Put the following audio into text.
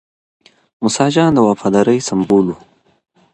موسی جان د وفادارۍ سمبول و.